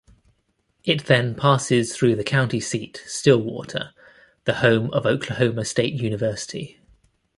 It then passes through the county seat, Stillwater, the home of Oklahoma State University.